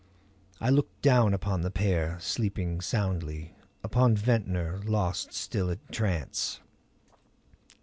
I looked down upon the pair, sleeping soundly; upon Ventnor lost still in trance.